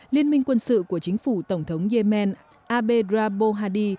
liên minh quân sự của chính phủ tổng thống yemen abedra bohadi